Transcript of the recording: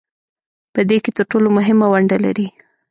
په دې کې تر ټولو مهمه ونډه لري